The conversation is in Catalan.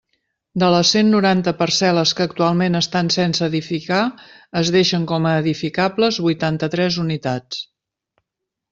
De les cent noranta parcel·les que actualment estan sense edificar es deixen com a edificables vuitanta-tres unitats.